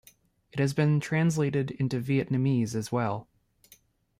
It has since been translated into Vietnamese as well.